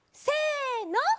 せの！